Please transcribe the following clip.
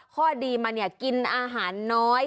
ข้อดีมาเนี่ยกินอาหารน้อย